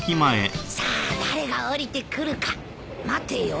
さあ誰が降りてくるか待てよ。